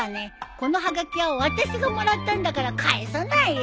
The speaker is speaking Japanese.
このはがきは私がもらったんだから返さないよ！